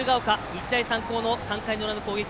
日大三高の３回裏の攻撃。